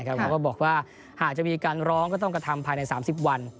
เขาก็บอกว่าหากจะมีการร้องก็ต้องกระทำภายใน๓๐วัน